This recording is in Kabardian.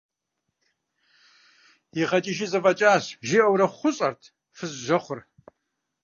ИгъэкӀыжи зэфӀэкӀащ, – жиӀэурэ хъущӀэрт фыз жьэхъур.